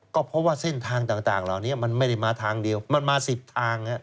ก็เพราะว่าเส้นทางต่างเหล่านี้มันไม่ได้มาทางเดียวมันมา๑๐ทาง